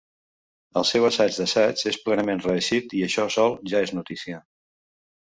El seu assaig d'assaig és plenament reeixit, i això sol ja és notícia.